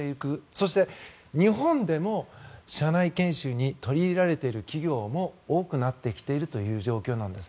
そして、日本でも社内研修に取り入れられている企業も多くなってきているという状況なんです。